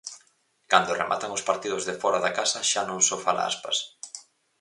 Cando rematan os partidos de fóra da casa xa non só fala Aspas.